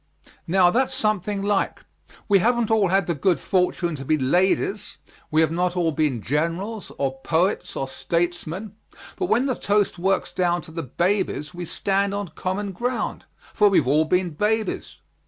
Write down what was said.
Now, that's something like. We haven't all had the good fortune to be ladies; we have not all been generals, or poets, or statesmen; but when the toast works down to the babies, we stand on common ground for we've all been babies.